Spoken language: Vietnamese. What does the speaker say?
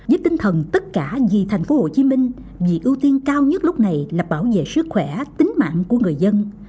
giúp tinh thần tất cả vì tp hcm vì ưu tiên cao nhất lúc này là bảo vệ sức khỏe tính mạng của người dân